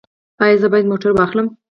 ایا زه باید موټر واخلم؟